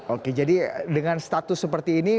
oke jadi dengan status seperti ini